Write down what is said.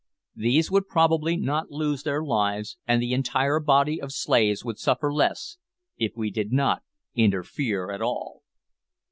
These would probably not lose their lives, and the entire body of slaves would suffer less, if we did not interfere at all.